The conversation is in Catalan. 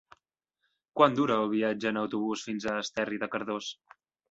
Quant dura el viatge en autobús fins a Esterri de Cardós?